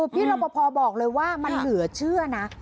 พี่รปภบอกเลยว่ามันเหลือเชื่อนะ